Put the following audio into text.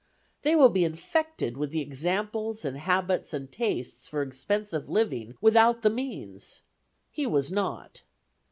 They will be infected with the examples and habits and tastes for expensive living without the means. He was not.